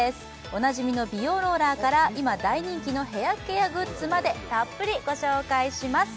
おなじみの美容ローラーから今大人気のヘアケアグッズまでたっぷりご紹介します